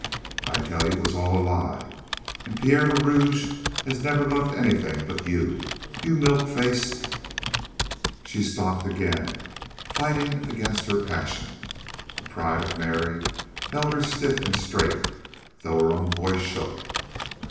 "I tell you, it was all a lie, and Pierre le Rouge has never loved anything but you, you milk faced " She stopped again, fighting against her passion. The pride of Mary held her stiff and straight, though her voice shook.